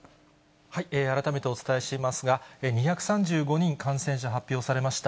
改めてお伝えしますが、２３５人感染者発表されました。